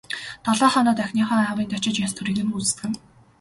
Долоо хоноод охиныхоо аавынд очиж ёс төрийг нь гүйцээнэ.